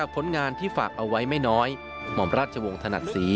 ผลงานที่ฝากเอาไว้ไม่น้อยหม่อมราชวงศ์ถนัดศรี